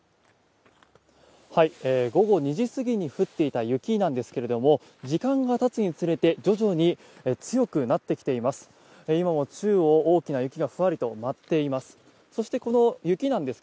午後２時過ぎに降っていた雪なんですけども時間がたつにつれて徐々に強くなってきています。